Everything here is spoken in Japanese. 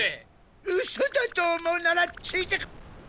うそだと思うならついてこい！